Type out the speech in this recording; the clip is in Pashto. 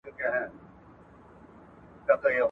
ایا د تولید کچه لوړه سوې ده؟